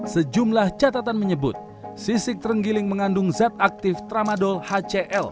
sejumlah catatan menyebut sisik terenggiling mengandung zat aktif tramadol hcl